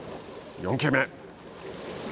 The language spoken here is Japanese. ４球目。